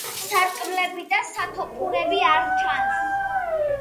სარკმლები და სათოფურები არ ჩანს.